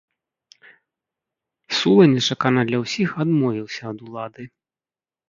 Сула нечакана для ўсіх адмовіўся ад улады.